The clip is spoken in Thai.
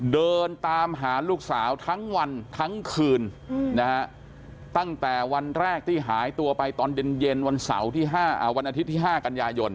เดินตามหาลูกสาวทั้งวันทั้งคืนตั้งแต่วันแรกที่หายตัวไปตอนเย็นวันเสาร์วันอาทิตย์ที่๕กันยายน